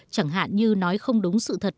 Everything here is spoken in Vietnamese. chẳng hạn như nói không đúng sự thật